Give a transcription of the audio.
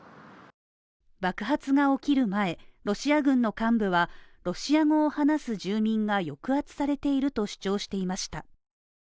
爆発が起きる前、ロシア軍の幹部はロシア語を話す住民が抑圧されていると主張していました。